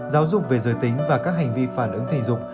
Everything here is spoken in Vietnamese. giáo dục về giới tính và các hành vi phản ứng thể dục